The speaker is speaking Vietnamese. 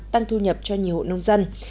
tăng thu nhập cho nhiều hộ nông dân